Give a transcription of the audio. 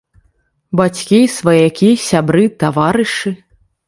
Бацькі, сваякі, сябры, таварышы.